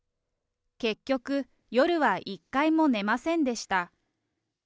結局、夜は一回も寝ませんでした。